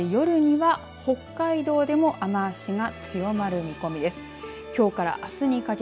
そして、夜には北海道でも雨足が強まる見込みです。